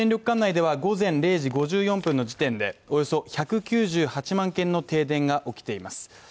管内では午前０時５４分の時点でおよそ１９８万軒の停電が起きています。